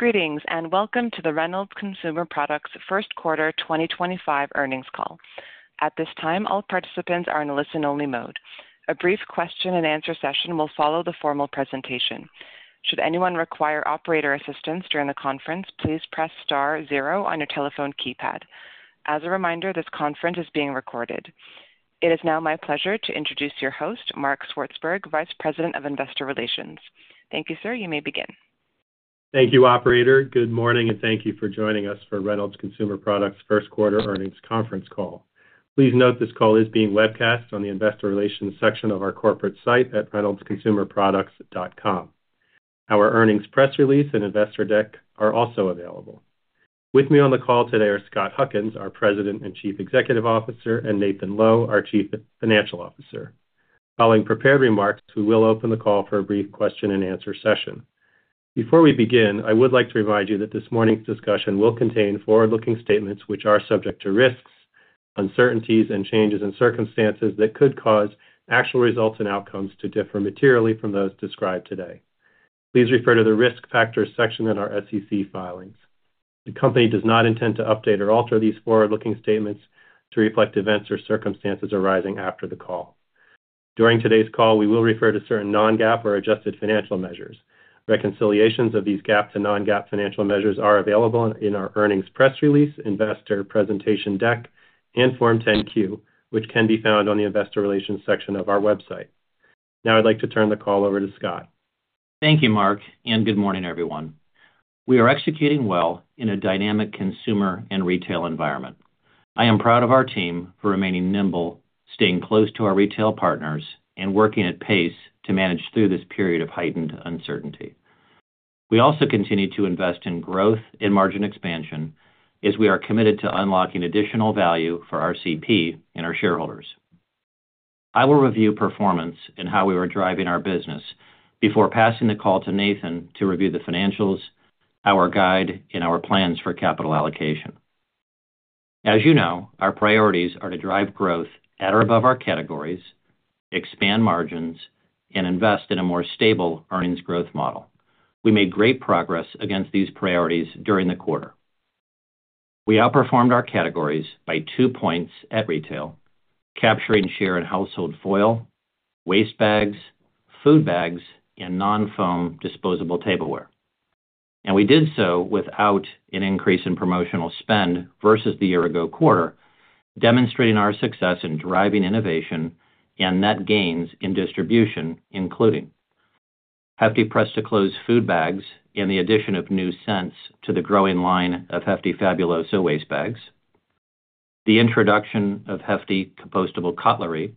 Greetings and welcome to the Reynolds Consumer Products First Quarter 2025 earnings call. At this time, all participants are in a listen-only mode. A brief question-and-answer session will follow the formal presentation. Should anyone require operator assistance during the conference, please press star zero on your telephone keypad. As a reminder, this conference is being recorded. It is now my pleasure to introduce your host, Mark Swartzberg, Vice President of Investor Relations. Thank you, sir. You may begin. Thank you, Operator. Good morning, and thank you for joining us for Reynolds Consumer Products First Quarter earnings conference call. Please note this call is being webcast on the Investor Relations section of our corporate site at reynoldsconsumerproducts.com. Our earnings press release and investor deck are also available. With me on the call today are Scott Huckins, our President and Chief Executive Officer, and Nathan Lowe, our Chief Financial Officer. Following prepared remarks, we will open the call for a brief question-and-answer session. Before we begin, I would like to remind you that this morning's discussion will contain forward-looking statements which are subject to risks, uncertainties, and changes in circumstances that could cause actual results and outcomes to differ materially from those described today. Please refer to the risk factors section in our SEC filings. The company does not intend to update or alter these forward-looking statements to reflect events or circumstances arising after the call. During today's call, we will refer to certain non-GAAP or adjusted financial measures. Reconciliations of these GAAP to non-GAAP financial measures are available in our earnings press release, investor presentation deck, and Form 10-Q, which can be found on the Investor Relations section of our website. Now, I'd like to turn the call over to Scott. Thank you, Mark, and good morning, everyone. We are executing well in a dynamic consumer and retail environment. I am proud of our team for remaining nimble, staying close to our retail partners, and working at pace to manage through this period of heightened uncertainty. We also continue to invest in growth and margin expansion as we are committed to unlocking additional value for our company and our shareholders. I will review performance and how we are driving our business before passing the call to Nathan to review the financials, our guide, and our plans for capital allocation. As you know, our priorities are to drive growth at or above our categories, expand margins, and invest in a more stable earnings growth model. We made great progress against these priorities during the quarter. We outperformed our categories by two points at retail, capturing share in household foil, waste bags, food bags, and non-foam disposable tableware. We did so without an increase in promotional spend versus the year-ago quarter, demonstrating our success in driving innovation and net gains in distribution, including Hefty Press-to-Close Food Bags and the addition of new scents to the growing line of Hefty Fabuloso Waste Bags, the introduction of Hefty Compostable Cutlery,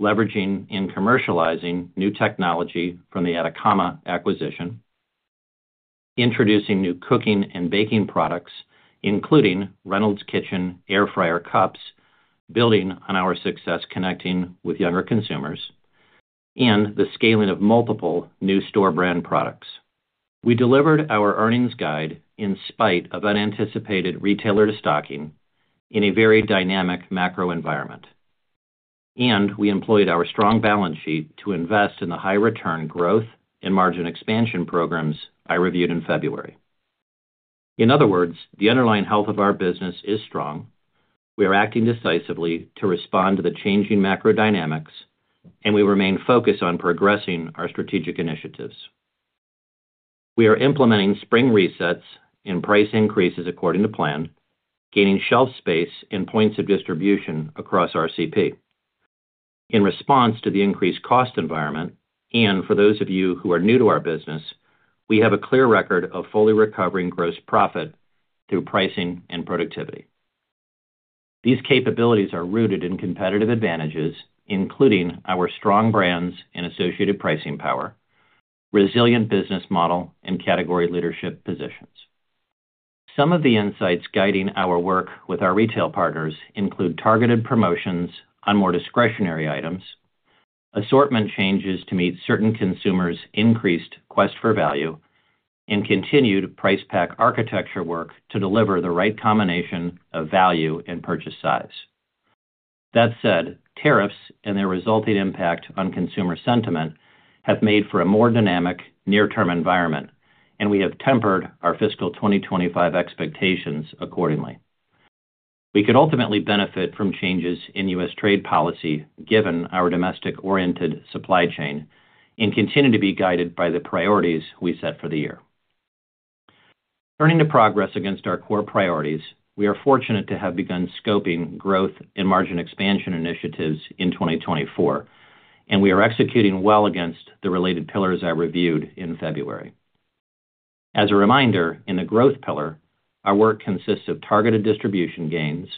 leveraging and commercializing new technology from the Atacama acquisition, introducing new cooking and baking products, including Reynolds Kitchens Air Fryer Cups, building on our success connecting with younger consumers, and the scaling of multiple new store brand products. We delivered our earnings guide in spite of unanticipated retailer stocking in a very dynamic macro environment, and we employed our strong balance sheet to invest in the high-return growth and margin expansion programs I reviewed in February. In other words, the underlying health of our business is strong. We are acting decisively to respond to the changing macro dynamics, and we remain focused on progressing our strategic initiatives. We are implementing spring resets and price increases according to plan, gaining shelf space and points of distribution across our RCP. In response to the increased cost environment, and for those of you who are new to our business, we have a clear record of fully recovering gross profit through pricing and productivity. These capabilities are rooted in competitive advantages, including our strong brands and associated pricing power, resilient business model, and category leadership positions. Some of the insights guiding our work with our retail partners include targeted promotions on more discretionary items, assortment changes to meet certain consumers' increased quest for value, and continued price pack architecture work to deliver the right combination of value and purchase size. That said, tariffs and their resulting impact on consumer sentiment have made for a more dynamic near-term environment, and we have tempered our fiscal 2025 expectations accordingly. We could ultimately benefit from changes in U.S. trade policy given our domestic-oriented supply chain and continue to be guided by the priorities we set for the year. Turning to progress against our core priorities, we are fortunate to have begun scoping growth and margin expansion initiatives in 2024, and we are executing well against the related pillars I reviewed in February. As a reminder, in the growth pillar, our work consists of targeted distribution gains,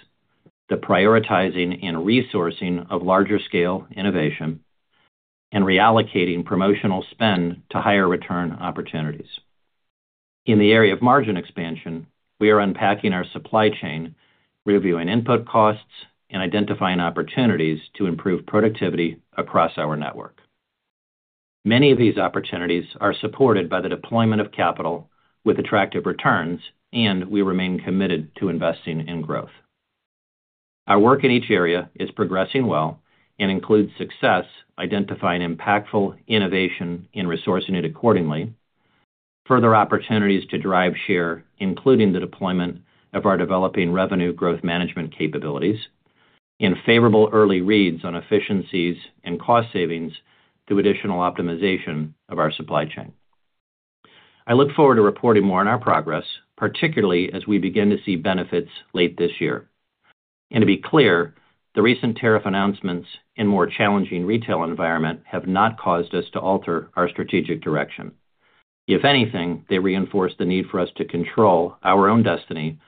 the prioritizing and resourcing of larger-scale innovation, and reallocating promotional spend to higher return opportunities. In the area of margin expansion, we are unpacking our supply chain, reviewing input costs, and identifying opportunities to improve productivity across our network. Many of these opportunities are supported by the deployment of capital with attractive returns, and we remain committed to investing in growth. Our work in each area is progressing well and includes success identifying impactful innovation and resourcing it accordingly, further opportunities to drive share, including the deployment of our developing revenue growth management capabilities, and favorable early reads on efficiencies and cost savings through additional optimization of our supply chain. I look forward to reporting more on our progress, particularly as we begin to see benefits late this year. To be clear, the recent tariff announcements in a more challenging retail environment have not caused us to alter our strategic direction. If anything, they reinforce the need for us to control our own destiny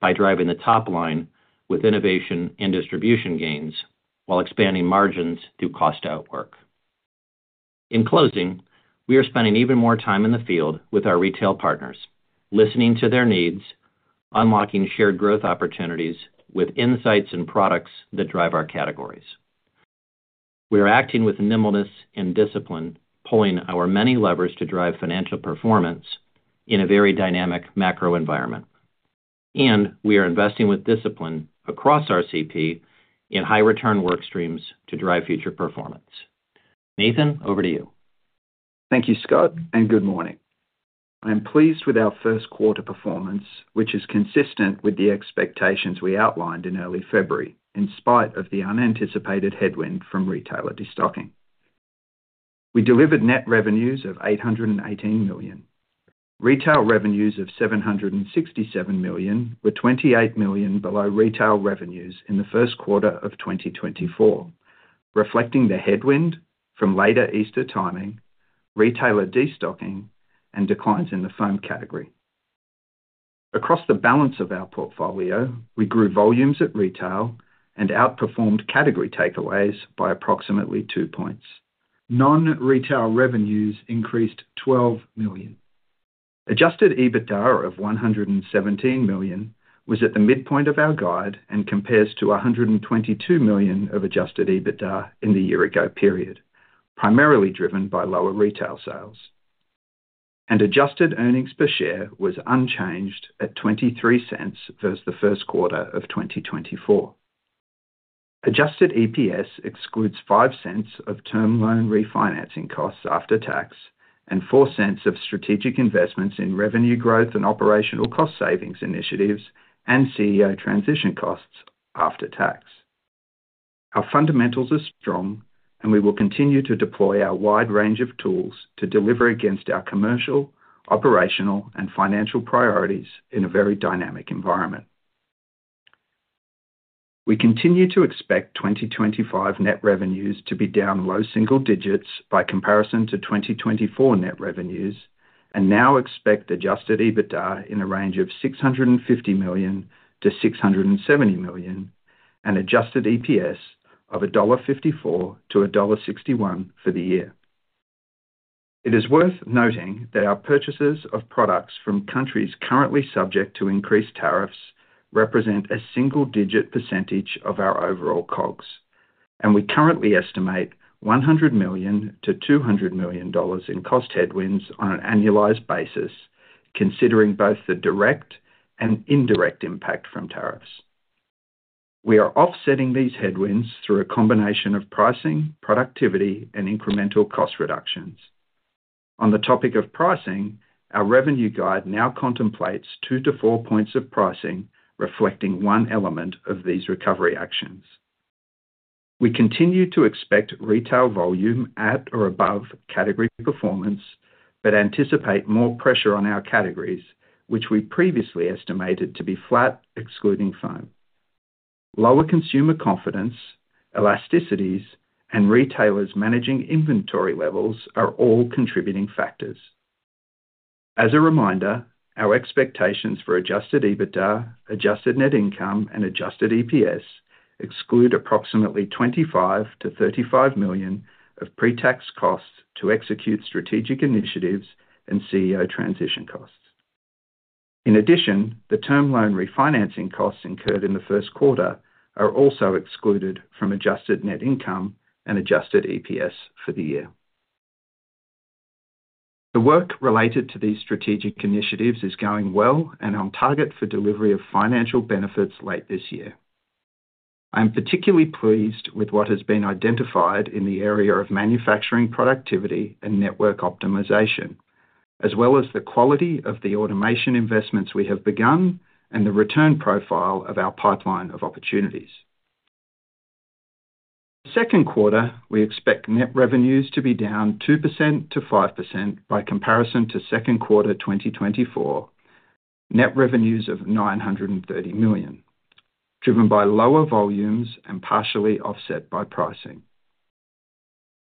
by driving the top line with innovation and distribution gains while expanding margins through cost-out work. In closing, we are spending even more time in the field with our retail partners, listening to their needs, unlocking shared growth opportunities with insights and products that drive our categories. We are acting with nimbleness and discipline, pulling our many levers to drive financial performance in a very dynamic macro environment. We are investing with discipline across our RCP in high-return work streams to drive future performance. Nathan, over to you. Thank you, Scott, and good morning. I'm pleased with our first quarter performance, which is consistent with the expectations we outlined in early February, in spite of the unanticipated headwind from retailer destocking. We delivered net revenues of $818 million. Retail revenues of $767 million were $28 million below retail revenues in the first quarter of 2024, reflecting the headwind from later Easter timing, retailer destocking, and declines in the foam category. Across the balance of our portfolio, we grew volumes at retail and outperformed category takeaways by approximately two points. Non-retail revenues increased $12 million. Adjusted EBITDA of $117 million was at the midpoint of our guide and compares to $122 million of adjusted EBITDA in the year-ago period, primarily driven by lower retail sales. Adjusted earnings per share was unchanged at $0.23 versus the first quarter of 2024. Adjusted EPS excludes $0.05 of term loan refinancing costs after tax and $0.04 of strategic investments in revenue growth and operational cost savings initiatives and CEO transition costs after tax. Our fundamentals are strong, and we will continue to deploy our wide range of tools to deliver against our commercial, operational, and financial priorities in a very dynamic environment. We continue to expect 2025 net revenues to be down low single digits by comparison to 2024 net revenues and now expect adjusted EBITDA in a range of $650 million-$670 million and adjusted EPS of $1.54-$1.61 for the year. It is worth noting that our purchases of products from countries currently subject to increased tariffs represent a single-digit percentage of our overall COGS, and we currently estimate $100 million-$200 million in cost headwinds on an annualized basis, considering both the direct and indirect impact from tariffs. We are offsetting these headwinds through a combination of pricing, productivity, and incremental cost reductions. On the topic of pricing, our revenue guide now contemplates two to four points of pricing reflecting one element of these recovery actions. We continue to expect retail volume at or above category performance but anticipate more pressure on our categories, which we previously estimated to be flat excluding foam. Lower consumer confidence, elasticities, and retailers managing inventory levels are all contributing factors. As a reminder, our expectations for adjusted EBITDA, adjusted net income, and adjusted EPS exclude approximately $25-$35 million of pre-tax costs to execute strategic initiatives and CEO transition costs. In addition, the term loan refinancing costs incurred in the first quarter are also excluded from adjusted net income and adjusted EPS for the year. The work related to these strategic initiatives is going well and on target for delivery of financial benefits late this year. I am particularly pleased with what has been identified in the area of manufacturing productivity and network optimization, as well as the quality of the automation investments we have begun and the return profile of our pipeline of opportunities. The second quarter, we expect net revenues to be down 2%-5% by comparison to second quarter 2024, net revenues of $930 million, driven by lower volumes and partially offset by pricing.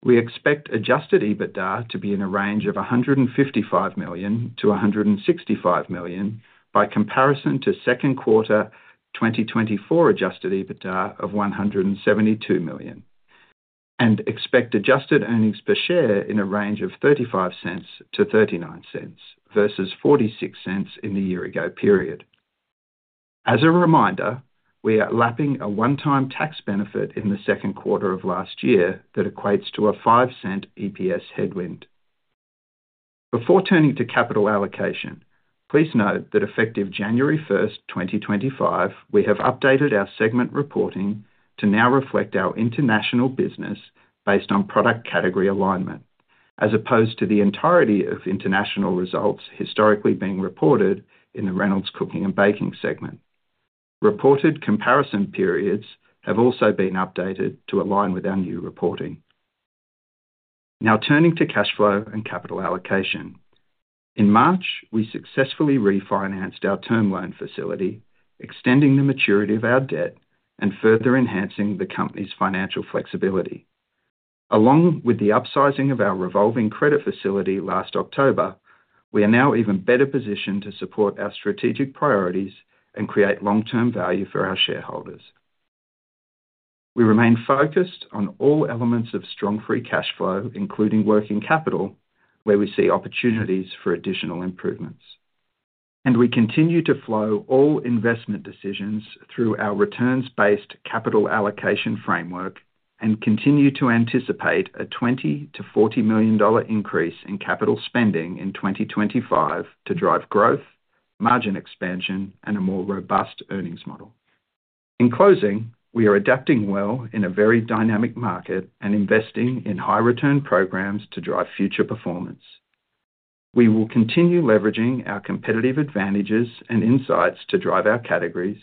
We expect adjusted EBITDA to be in a range of $155 million-$165 million by comparison to second quarter 2024 adjusted EBITDA of $172 million, and expect adjusted earnings per share in a range of $0.35-$0.39 versus $0.46 in the year-ago period. As a reminder, we are lapping a one-time tax benefit in the second quarter of last year that equates to a $0.05 EPS headwind. Before turning to capital allocation, please note that effective January 1, 2025, we have updated our segment reporting to now reflect our international business based on product category alignment, as opposed to the entirety of international results historically being reported in the Reynolds Cooking and Baking segment. Reported comparison periods have also been updated to align with our new reporting. Now turning to cash flow and capital allocation. In March, we successfully refinanced our term loan facility, extending the maturity of our debt and further enhancing the company's financial flexibility. Along with the upsizing of our revolving credit facility last October, we are now even better positioned to support our strategic priorities and create long-term value for our shareholders. We remain focused on all elements of strong free cash flow, including working capital, where we see opportunities for additional improvements. We continue to flow all investment decisions through our returns-based capital allocation framework and continue to anticipate a $20-$40 million increase in capital spending in 2025 to drive growth, margin expansion, and a more robust earnings model. In closing, we are adapting well in a very dynamic market and investing in high-return programs to drive future performance. We will continue leveraging our competitive advantages and insights to drive our categories,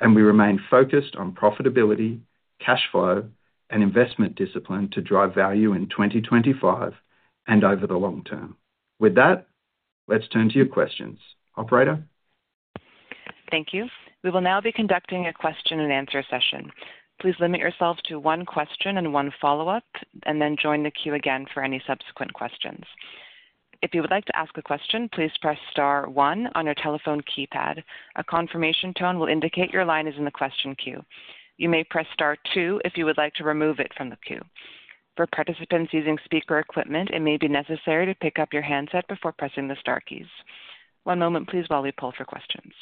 and we remain focused on profitability, cash flow, and investment discipline to drive value in 2025 and over the long term. With that, let's turn to your questions, operator. Thank you. We will now be conducting a question-and-answer session. Please limit yourself to one question and one follow-up, and then join the queue again for any subsequent questions. If you would like to ask a question, please press Star 1 on your telephone keypad. A confirmation tone will indicate your line is in the question queue. You may press Star 2 if you would like to remove it from the queue. For participants using speaker equipment, it may be necessary to pick up your handset before pressing the Star keys. One moment, please, while we pull for questions.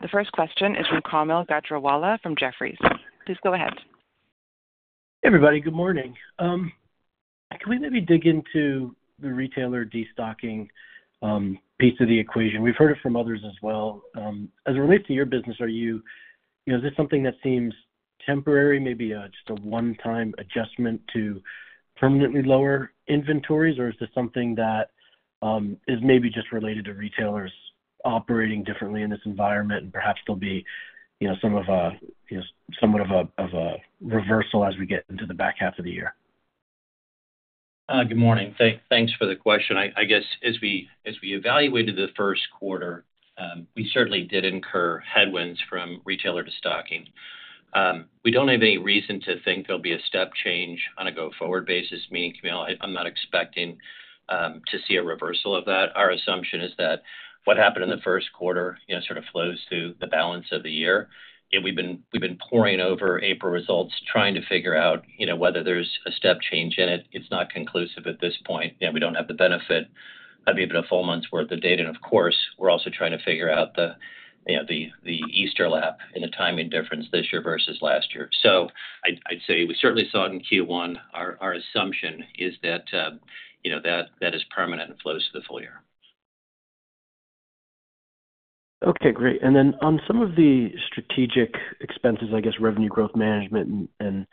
The first question is from Kaumil Gajrawala from Jefferies. Please go ahead. Hey, everybody. Good morning. Can we maybe dig into the retailer destocking piece of the equation? We've heard it from others as well. As it relates to your business, is this something that seems temporary, maybe just a one-time adjustment to permanently lower inventories, or is this something that is maybe just related to retailers operating differently in this environment, and perhaps there'll be somewhat of a reversal as we get into the back half of the year? Good morning. Thanks for the question. I guess as we evaluated the first quarter, we certainly did incur headwinds from retailer destocking. We do not have any reason to think there will be a step change on a go-forward basis, meaning, Kaumil, I am not expecting to see a reversal of that. Our assumption is that what happened in the first quarter sort of flows through the balance of the year. We have been pouring over April results, trying to figure out whether there is a step change in it. It is not conclusive at this point. We do not have the benefit of even a full month's worth of data. Of course, we are also trying to figure out the Easter lap and the timing difference this year versus last year. I would say we certainly saw it in Q1. Our assumption is that that is permanent and flows through the full year. Okay. Great. On some of the strategic expenses, I guess revenue growth management and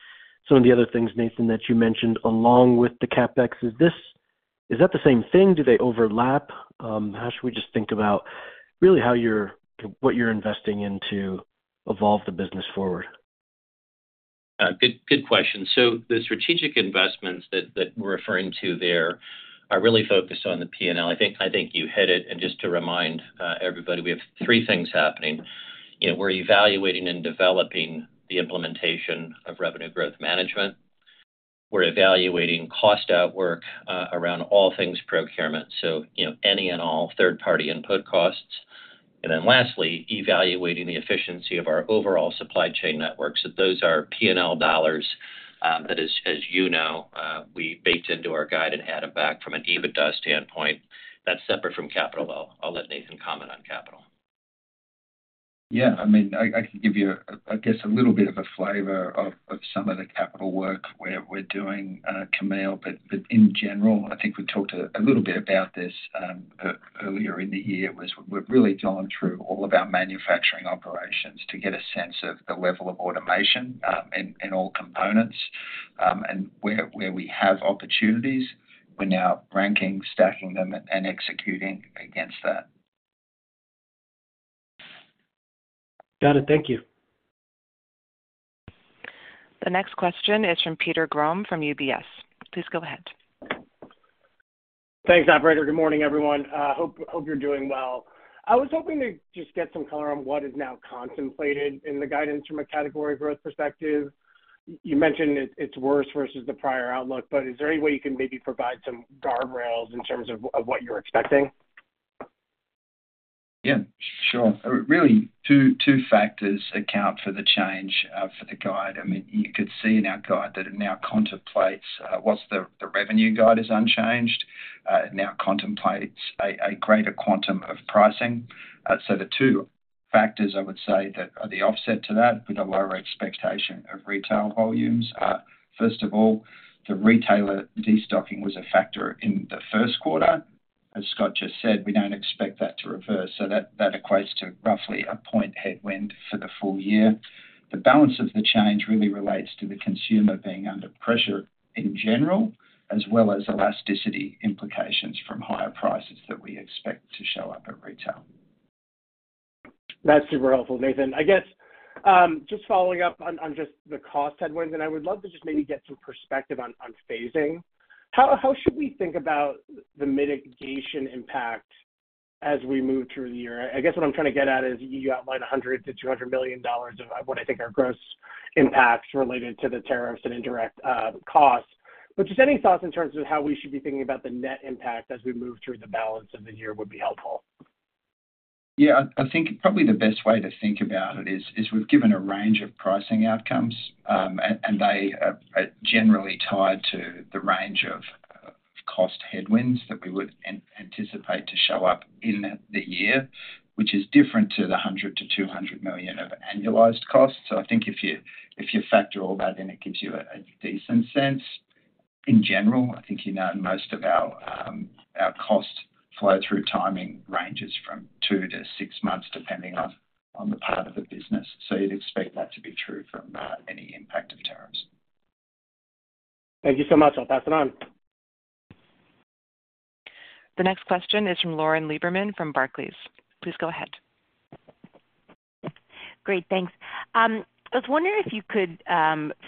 some of the other things, Nathan, that you mentioned along with the CapEx, is that the same thing? Do they overlap? How should we just think about really what you're investing in to evolve the business forward? Good question. The strategic investments that we're referring to there are really focused on the P&L. I think you hit it. Just to remind everybody, we have three things happening. We're evaluating and developing the implementation of revenue growth management. We're evaluating cost outwork around all things procurement, so any and all third-party input costs. Lastly, evaluating the efficiency of our overall supply chain network. Those are P&L dollars that, as you know, we baked into our guide and added back from an EBITDA standpoint. That's separate from capital. I'll let Nathan comment on capital. Yeah. I mean, I can give you, I guess, a little bit of a flavor of some of the capital work we're doing, kaumil. In general, I think we talked a little bit about this earlier in the year. We're really going through all of our manufacturing operations to get a sense of the level of automation in all components. Where we have opportunities, we're now ranking, stacking them, and executing against that. Got it. Thank you. The next question is from Peter Grom from UBS. Please go ahead. Thanks, operator. Good morning, everyone. I hope you're doing well. I was hoping to just get some color on what is now contemplated in the guidance from a category growth perspective. You mentioned it's worse versus the prior outlook, but is there any way you can maybe provide some guardrails in terms of what you're expecting? Yeah. Sure. Really, two factors account for the change for the guide. I mean, you could see in our guide that it now contemplates whilst the revenue guide is unchanged, it now contemplates a greater quantum of pricing. The two factors, I would say, that are the offset to that with a lower expectation of retail volumes. First of all, the retailer destocking was a factor in the first quarter. As Scott just said, we do not expect that to reverse. That equates to roughly a point headwind for the full year. The balance of the change really relates to the consumer being under pressure in general, as well as elasticity implications from higher prices that we expect to show up at retail. That's super helpful, Nathan. I guess just following up on just the cost headwinds, and I would love to just maybe get some perspective on phasing. How should we think about the mitigation impact as we move through the year? I guess what I'm trying to get at is you outlined $100-$200 million of what I think are gross impacts related to the tariffs and indirect costs. Just any thoughts in terms of how we should be thinking about the net impact as we move through the balance of the year would be helpful. Yeah. I think probably the best way to think about it is we've given a range of pricing outcomes, and they are generally tied to the range of cost headwinds that we would anticipate to show up in the year, which is different to the $100-$200 million of annualized costs. I think if you factor all that in, it gives you a decent sense. In general, I think you know most of our cost flow-through timing ranges from two to six months, depending on the part of the business. You'd expect that to be true from any impact of tariffs. Thank you so much. I'll pass it on. The next question is from Lauren Lieberman from Barclays. Please go ahead. Great. Thanks. I was wondering if you could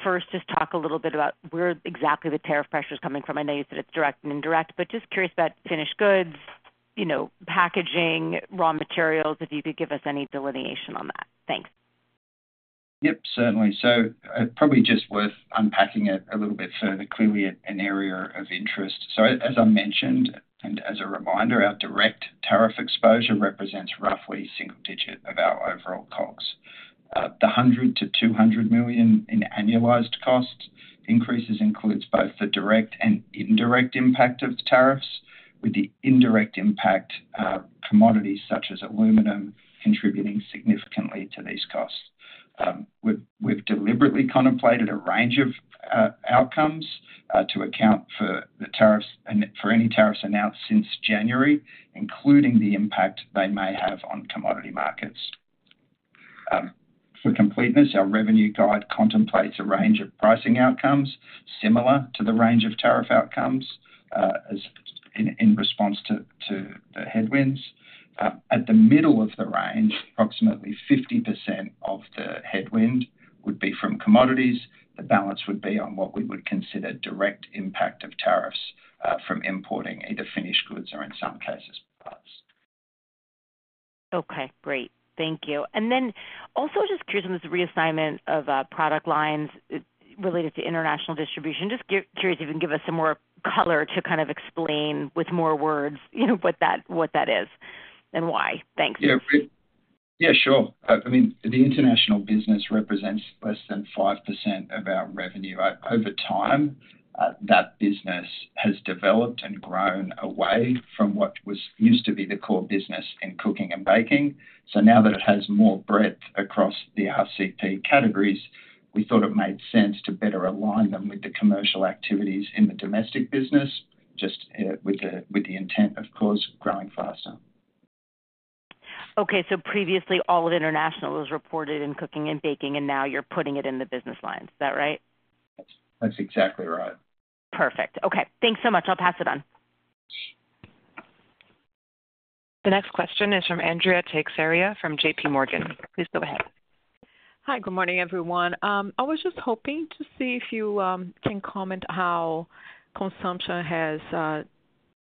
first just talk a little bit about where exactly the tariff pressure is coming from. I know you said it's direct and indirect, but just curious about finished goods, packaging, raw materials, if you could give us any delineation on that. Thanks. Certainly. Probably just worth unpacking it a little bit further. Clearly, an area of interest. As I mentioned, and as a reminder, our direct tariff exposure represents roughly single digit of our overall costs. The $100-$200 million in annualized cost increases includes both the direct and indirect impact of tariffs, with the indirect impact commodities such as aluminum contributing significantly to these costs. We have deliberately contemplated a range of outcomes to account for any tariffs announced since January, including the impact they may have on commodity markets. For completeness, our revenue guide contemplates a range of pricing outcomes similar to the range of tariff outcomes in response to the headwinds. At the middle of the range, approximately 50% of the headwind would be from commodities. The balance would be on what we would consider direct impact of tariffs from importing either finished goods or, in some cases, parts. Okay. Great. Thank you. Also just curious on this reassignment of product lines related to international distribution. Just curious if you can give us some more color to kind of explain with more words what that is and why. Thanks. Yeah. Sure. I mean, the international business represents less than 5% of our revenue. Over time, that business has developed and grown away from what used to be the core business in cooking and baking. Now that it has more breadth across the RCP categories, we thought it made sense to better align them with the commercial activities in the domestic business, just with the intent, of course, of growing faster. Okay. So previously, all of international was reported in cooking and baking, and now you're putting it in the business lines. Is that right? That's exactly right. Perfect. Okay. Thanks so much. I'll pass it on. The next question is from Andrea Teixeira from JPMorgan. Please go ahead. Hi. Good morning, everyone. I was just hoping to see if you can comment on how consumption has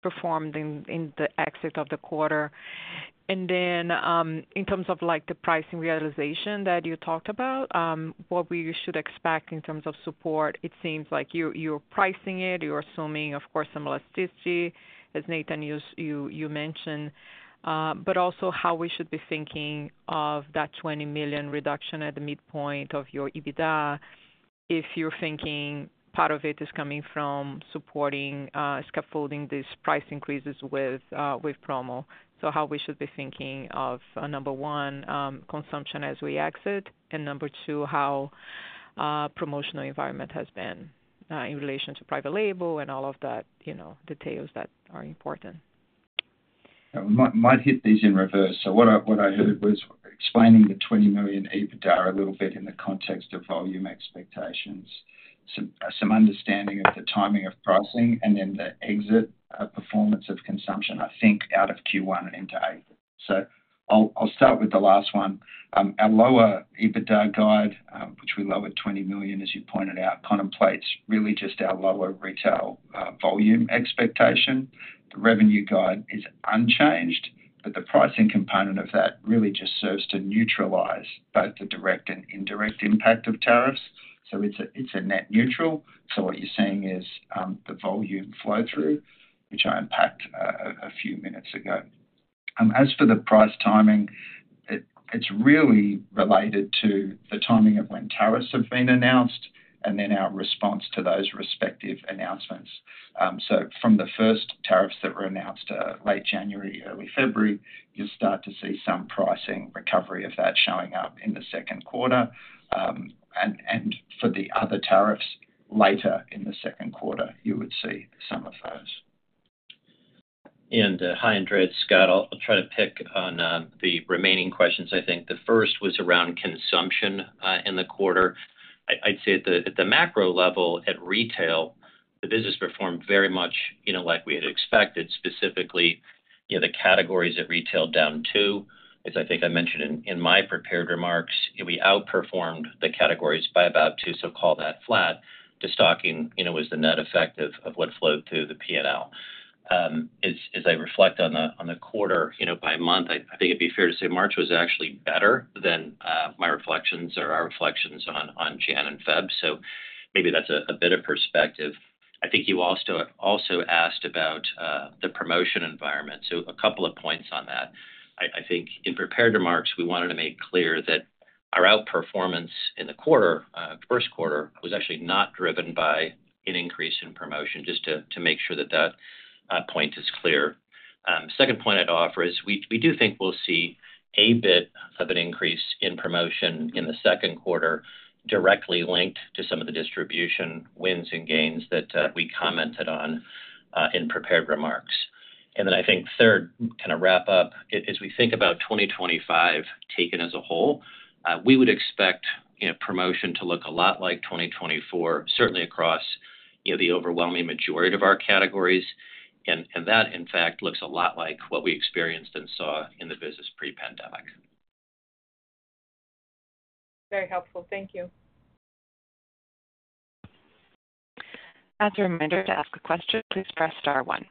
performed in the exit of the quarter. In terms of the pricing realization that you talked about, what we should expect in terms of support, it seems like you're pricing it. You're assuming, of course, some elasticity, as Nathan you mentioned, but also how we should be thinking of that $20 million reduction at the midpoint of your EBITDA if you're thinking part of it is coming from supporting, scaffolding these price increases with promo. How we should be thinking of, number one, consumption as we exit, and number two, how the promotional environment has been in relation to private label and all of the details that are important. I might hit these in reverse. What I heard was explaining the $20 million EBITDA a little bit in the context of volume expectations, some understanding of the timing of pricing, and then the exit performance of consumption, I think, out of Q1 and into April. I'll start with the last one. Our lower EBITDA guide, which we lowered $20 million, as you pointed out, contemplates really just our lower retail volume expectation. The revenue guide is unchanged, but the pricing component of that really just serves to neutralize both the direct and indirect impact of tariffs. It's a net neutral. What you're seeing is the volume flow-through, which I unpacked a few minutes ago. As for the price timing, it's really related to the timing of when tariffs have been announced and then our response to those respective announcements. From the first tariffs that were announced late January, early February, you'll start to see some pricing recovery of that showing up in the second quarter. For the other tariffs, later in the second quarter, you would see some of those. Hi, Andrea. It's Scott. I'll try to pick on the remaining questions, I think. The first was around consumption in the quarter. I'd say at the macro level, at retail, the business performed very much like we had expected, specifically the categories that retailed down to, as I think I mentioned in my prepared remarks, we outperformed the categories by about two, so call that flat. The stocking was the net effect of what flowed through the P&L. As I reflect on the quarter by month, I think it'd be fair to say March was actually better than my reflections or our reflections on January and February. Maybe that's a bit of perspective. I think you also asked about the promotion environment. A couple of points on that. I think in prepared remarks, we wanted to make clear that our outperformance in the first quarter was actually not driven by an increase in promotion, just to make sure that that point is clear. The second point I'd offer is we do think we'll see a bit of an increase in promotion in the second quarter directly linked to some of the distribution wins and gains that we commented on in prepared remarks. I think third, kind of wrap up, as we think about 2025 taken as a whole, we would expect promotion to look a lot like 2024, certainly across the overwhelming majority of our categories. That, in fact, looks a lot like what we experienced and saw in the business pre-pandemic. Very helpful. Thank you. As a reminder to ask a question, please press star one.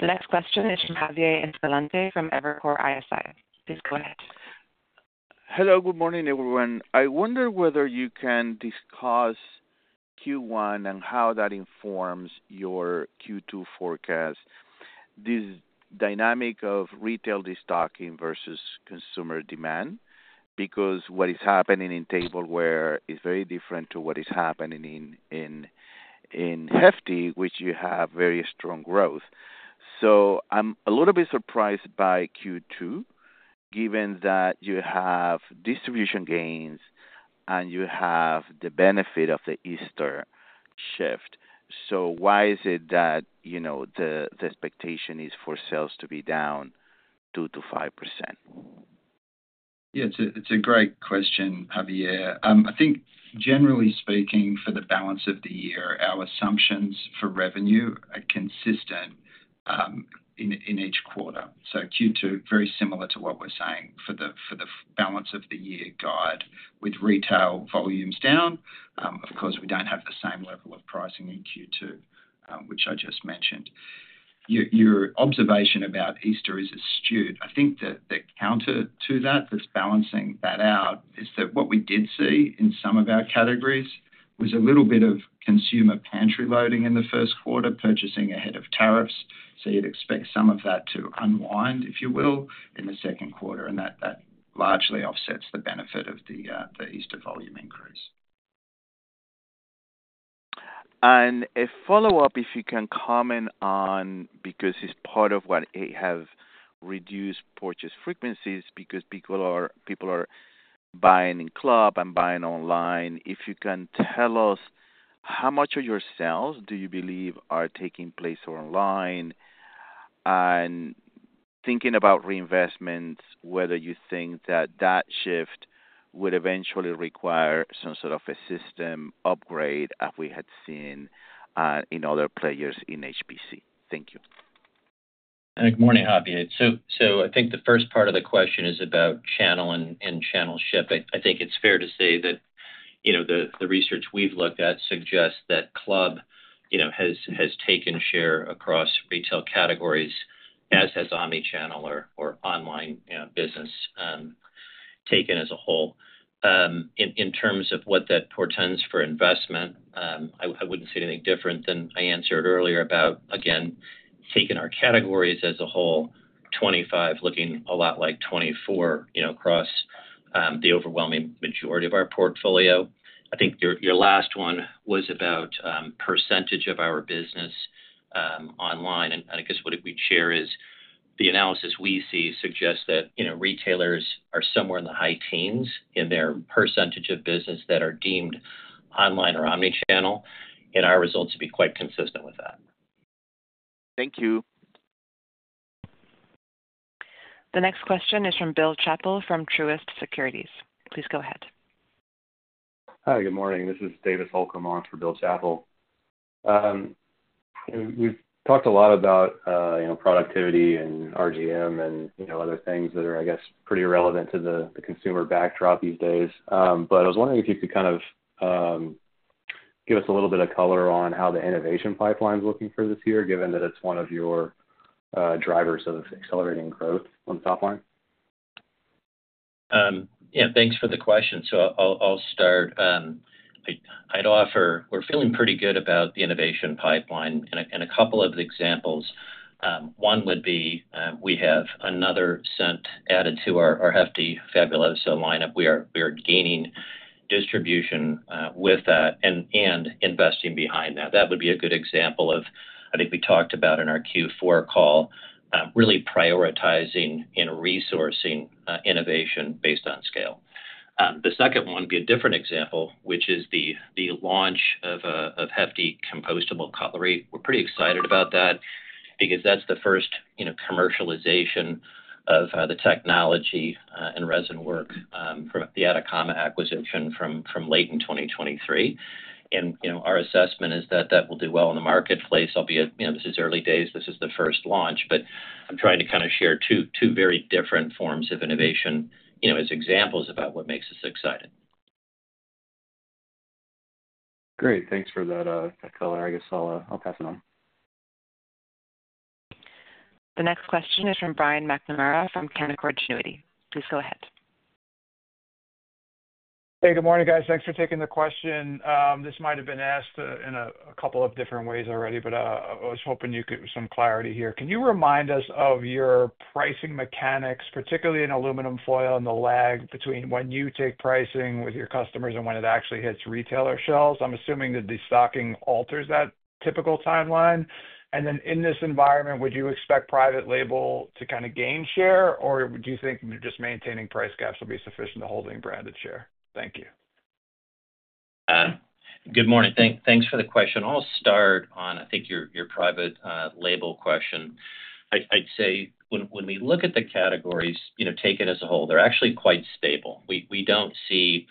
The next question is from Javier Escalante from Evercore ISI. Please go ahead. Hello. Good morning, everyone. I wonder whether you can discuss Q1 and how that informs your Q2 forecast, this dynamic of retail destocking versus consumer demand, because what is happening in Tableware is very different to what is happening in Hefty, which you have very strong growth. I am a little bit surprised by Q2, given that you have distribution gains and you have the benefit of the Easter shift. Why is it that the expectation is for sales to be down 2-5%? Yeah. It's a great question, Javier. I think, generally speaking, for the balance of the year, our assumptions for revenue are consistent in each quarter. Q2, very similar to what we're saying for the balance of the year guide with retail volumes down. Of course, we don't have the same level of pricing in Q2, which I just mentioned. Your observation about Easter is astute. I think the counter to that, that's balancing that out, is that what we did see in some of our categories was a little bit of consumer pantry loading in the first quarter, purchasing ahead of tariffs. You'd expect some of that to unwind, if you will, in the second quarter. That largely offsets the benefit of the Easter volume increase. If you can comment on, because it's part of what have reduced purchase frequencies, because people are buying in club and buying online, if you can tell us how much of your sales do you believe are taking place online and thinking about reinvestments, whether you think that that shift would eventually require some sort of a system upgrade as we had seen in other players in HPC. Thank you. Good morning, Javier. I think the first part of the question is about channel and channel shift. I think it's fair to say that the research we've looked at suggests that club has taken share across retail categories, as has omnichannel or online business taken as a whole. In terms of what that portends for investment, I wouldn't see anything different than I answered earlier about, again, taking our categories as a whole, 2025 looking a lot like 2024 across the overwhelming majority of our portfolio. I think your last one was about percentage of our business online. I guess what we'd share is the analysis we see suggests that retailers are somewhere in the high teens in their percentage of business that are deemed online or omnichannel, and our results would be quite consistent with that. Thank you. The next question is from Bill Chappell from Truist Securities. Please go ahead. Hi. Good morning. This is David Holcomb on for Bill Chappell. We've talked a lot about productivity and RGM and other things that are, I guess, pretty relevant to the consumer backdrop these days. I was wondering if you could kind of give us a little bit of color on how the innovation pipeline is looking for this year, given that it's one of your drivers of accelerating growth on the top line. Yeah. Thanks for the question. I'll start. We're feeling pretty good about the innovation pipeline and a couple of examples. One would be we have another scent added to our Hefty Fabuloso lineup. We are gaining distribution with that and investing behind that. That would be a good example of, I think we talked about in our Q4 call, really prioritizing and resourcing innovation based on scale. The second one would be a different example, which is the launch of Hefty Compostable Cutlery. We're pretty excited about that because that's the first commercialization of the technology and resin work from the Atacama acquisition from late in 2023. Our assessment is that that will do well in the marketplace. This is early days. This is the first launch. I'm trying to kind of share two very different forms of innovation as examples about what makes us excited. Great. Thanks for that color. I guess I'll pass it on. The next question is from Brian McNamara from Canaccord Genuity. Please go ahead. Hey. Good morning, guys. Thanks for taking the question. This might have been asked in a couple of different ways already, but I was hoping you could get some clarity here. Can you remind us of your pricing mechanics, particularly in aluminum foil and the lag between when you take pricing with your customers and when it actually hits retailer shelves? I'm assuming that the stocking alters that typical timeline. In this environment, would you expect private label to kind of gain share, or do you think just maintaining price gaps will be sufficient to holding branded share? Thank you. Good morning. Thanks for the question. I'll start on, I think, your private label question. I'd say when we look at the categories, taken as a whole, they're actually quite stable. We don't see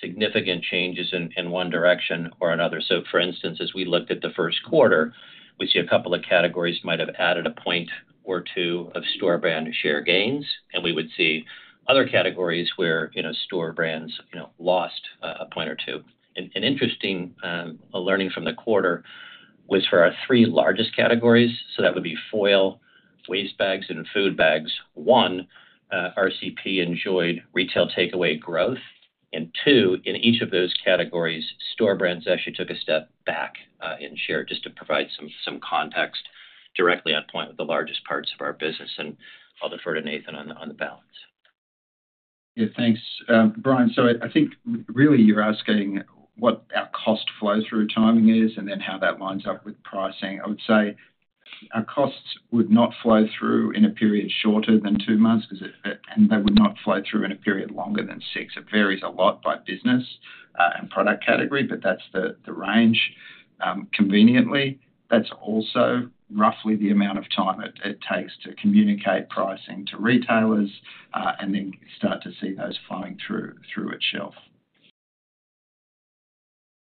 significant changes in one direction or another. For instance, as we looked at the first quarter, we see a couple of categories might have added a point or two of store brand share gains, and we would see other categories where store brands lost a point or two. An interesting learning from the quarter was for our three largest categories. That would be foil, waste bags, and food bags. One, RCP enjoyed retail takeaway growth. Two, in each of those categories, store brands actually took a step back in share just to provide some context directly at point with the largest parts of our business. I'll defer to Nathan on the balance. Yeah. Thanks, Brian. I think really you're asking what our cost flow-through timing is and then how that lines up with pricing. I would say our costs would not flow through in a period shorter than two months, and they would not flow through in a period longer than six. It varies a lot by business and product category, but that's the range. Conveniently, that's also roughly the amount of time it takes to communicate pricing to retailers and then start to see those flying through at shelf.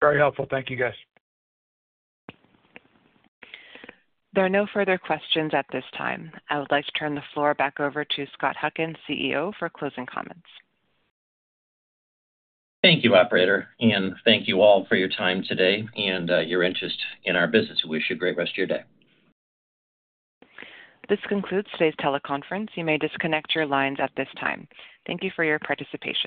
Very helpful. Thank you, guys. There are no further questions at this time. I would like to turn the floor back over to Scott Huckins, CEO, for closing comments. Thank you, Operator. Thank you all for your time today and your interest in our business. We wish you a great rest of your day. This concludes today's teleconference. You may disconnect your lines at this time. Thank you for your participation.